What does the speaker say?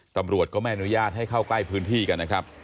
ตำรวจก็ไม่อนุญาตให้เข้าใกล้พื้นที่กันนะครับ